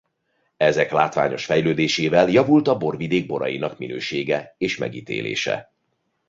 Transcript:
Ezek látványos fejlődésével javult a borvidék borainak minősége és megítélése.